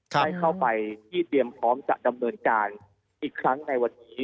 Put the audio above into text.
ได้เข้าไปที่เตรียมพร้อมจะดำเนินการอีกครั้งในวันนี้